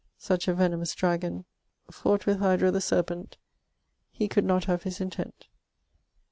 . such a venomous dragon .... fowght with Hidra the serpent ..... e cowlde not have his intent